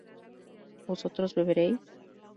¿vosotros beberéis?